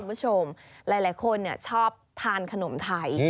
คุณผู้ชมหลายคนชอบทานขนมไทย